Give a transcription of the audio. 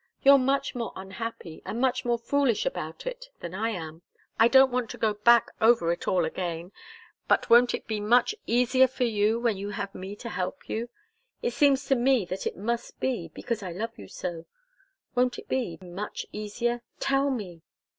You're much more unhappy and much more foolish about it than I am. I don't want to go back over it all again, but won't it be much easier for you when you have me to help you? It seems to me that it must be, because I love you so! Won't it be much easier? Tell me!"